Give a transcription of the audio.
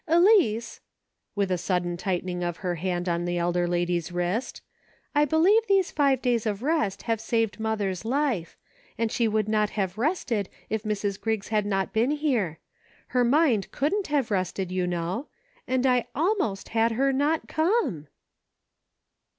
Elice," with a sudden tighten ing of her hand on the elder lady's wrist, " I be lieve these five days of rest have saved mother's life ; and she would not have rested if Mrs. Griggs had not been here. Her mind couldn't have rested, you know ; and I almost had her not come